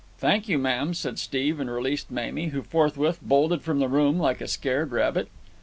"Thank you, ma'am," said Steve, and released Mamie, who forthwith bolted from the room like a scared rabbit.